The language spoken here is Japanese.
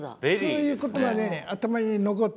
そういうことが頭に残ってましてね